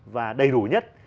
và đầy đủ nhất